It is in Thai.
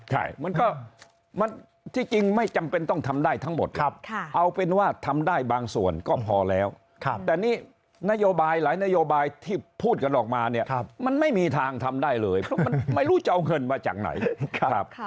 ใช่มันก็ที่จริงไม่จำเป็นต้องทำได้ทั้งหมดเอาเป็นว่าทำได้บางส่วนก็พอแล้วแต่นี่นโยบายหลายนโยบายที่พูดกันออกมาเนี่ยมันไม่มีทางทำได้เลยเพราะมันไม่รู้จะเอาเงินมาจากไหนครับ